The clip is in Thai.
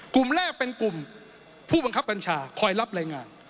กลุ่มแรกเป็นกลุ่มผู้บังคับบัญชาคอยรับรายงาน